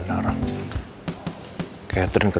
terbakar waktu sebenernya